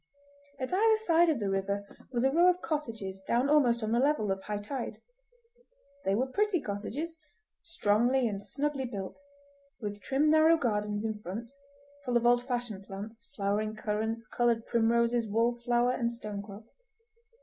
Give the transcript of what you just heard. At either side of the river was a row of cottages down almost on the level of high tide. They were pretty cottages, strongly and snugly built, with trim narrow gardens in front, full of old fashioned plants, flowering currants, coloured primroses, wallflower, and stonecrop.